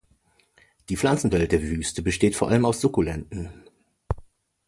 Die Pflanzenwelt der Wüste besteht vor allem aus Sukkulenten.